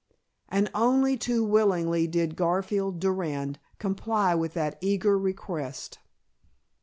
And only too willingly did Garfield Durand comply with that eager request.